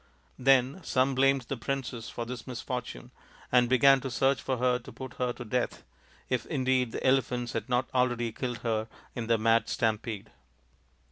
Then some blamed the princess for this misfortune and began to search for her to put her to death, if indeed the elephants had not already killed her in their mad stampede.